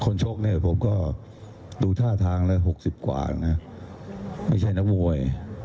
ชกเนี่ยผมก็ดูท่าทางแล้ว๖๐กว่านะไม่ใช่นักมวย